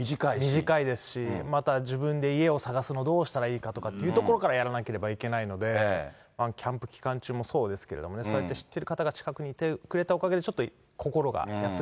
短いですし、また自分で家を探すのもどうしたらいいかというところからやらなければいけないので、キャンプ期間中もそうですけれども、そうやって知ってる方が近くにいてくれたおかげでちょっと心が安